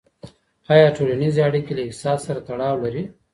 ایا ټولنیزې اړیکې له اقتصاد سره تړاو لري؟